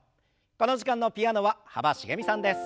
この時間のピアノは幅しげみさんです。